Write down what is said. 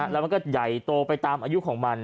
แล้วมันก็ใหญ่โตไปตามอายุของมัน